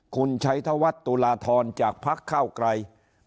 คุณชัยธวัตตุลาธรจากภาคข้าวไกร